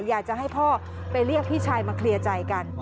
อยากจะให้พ่อไปเรียกพี่ชายมาเคลียร์ใจกัน